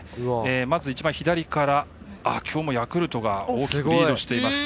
まず左から、きょうもヤクルトが大きくリードしています。